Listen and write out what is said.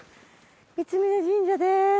三峯神社です。